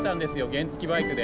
原付きバイクで。